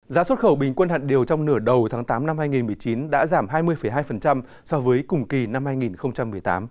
giá xuất khẩu bình quân hạt điều trong nửa đầu tháng tám năm hai nghìn một mươi chín đã giảm hai mươi hai so với cùng kỳ năm hai nghìn một mươi tám